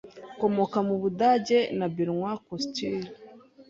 ukomoka mu Budage na Benoît Costil